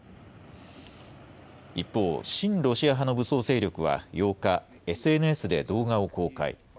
一方、親ロシア派の武装勢力は８日、ＳＮＳで動画を公開。